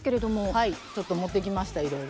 はいちょっと持ってきましたいろいろ。